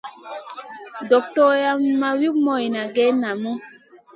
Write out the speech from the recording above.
Doktora ma wi moyne geyn namu.